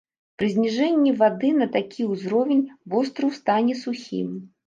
Пры зніжэнні вады на такі ўзровень востраў стане сухім.